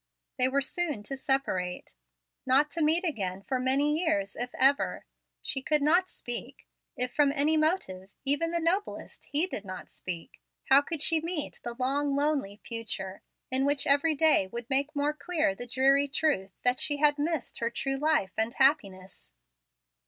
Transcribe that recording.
They were soon to separate, not to meet again for many years, if ever. She could not speak. If from any motive, even the noblest, he did not speak, how could she meet the long, lonely future, in which every day would make more clear the dreary truth that she had missed her true life and happiness?